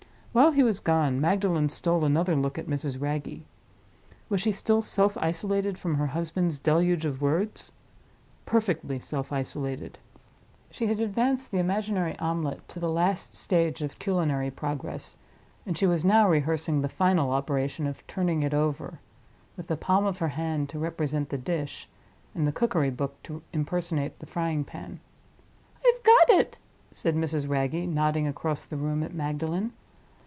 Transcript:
While he was gone, Magdalen stole another look at Mrs. Wragge. Was she still self isolated from her husband's deluge of words? Perfectly self isolated. She had advanced the imaginary omelette to the last stage of culinary progress; and she was now rehearsing the final operation of turning it over—with the palm of her hand to represent the dish, and the cookery book to impersonate the frying pan. "I've got it," said Mrs. Wragge, nodding across the room at Magdalen.